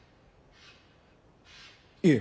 いえ。